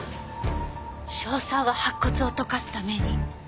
硝酸は白骨を溶かすために。